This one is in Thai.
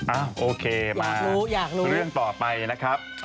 อ้าวโอเคมาเพื่อนต่อไปนะครับ